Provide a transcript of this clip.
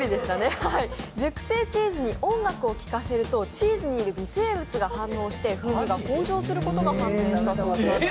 熟成チーズに音楽を聴かせるとチーズにいる微生物が反応して風味が向上することが判明してます。